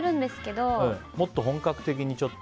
もっと本格的に？